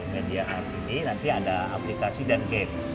media art ini nanti ada aplikasi dan games